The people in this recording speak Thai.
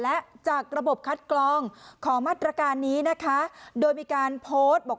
และจากระบบคัดกรองของมาตรการนี้นะคะโดยมีการโพสต์บอก